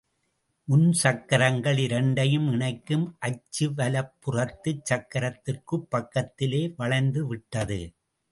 முன்சக்கரங்கள் இரண்டையும் இணைக்கும் அச்சு வலப்புறத்துச் சக்கரத்திற்குப் பக்கத்திலே வளைந்துவிட்டது.